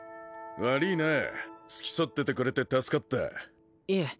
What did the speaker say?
悪いな付き添っててくれて助かったいえ